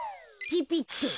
ピピッと。